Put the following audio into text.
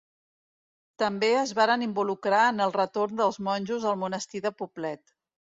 També es varen involucrar en el retorn dels monjos al Monestir de Poblet.